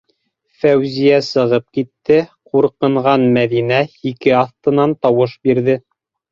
Фәүзиә сығып китте, ҡурҡынған Мәҙинә һике аҫтынан тауыш бирҙе: